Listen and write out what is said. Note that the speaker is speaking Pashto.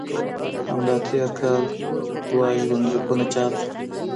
همدا تېر کال دوه ژوند لیکونه چاپ شول.